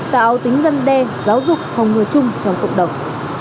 tạo tính dân đe giáo dục hồng người chung trong cộng đồng